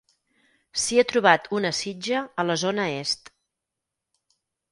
S’hi ha trobat una sitja a la zona est.